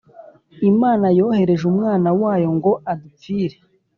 Imana yohereje Umwana wayo ngo adupfire